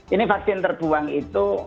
ini vaksin terbuang itu